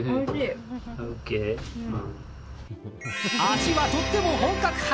味はとても本格派。